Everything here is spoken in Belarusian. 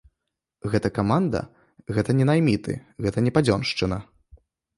Гэта каманда, гэта не найміты, гэта не падзёншчына.